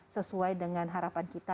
sesuai dengan harapan kita